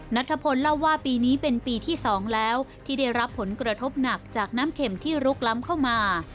นัทธพลเล่าว่าปีนี้เป็นปีที่๒แล้วที่ได้รับผลกระทบหนักจากน้ำเข็มที่ลุกล้ำเข้ามา